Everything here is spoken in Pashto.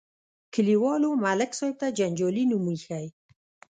کلیوالو ملک صاحب ته جنجالي نوم ایښی.